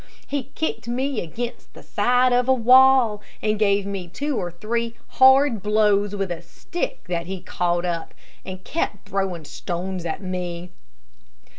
He kicked me against the side of a wall, and gave me two or three hard blows with a stick that he caught up, and kept throwing stones at me.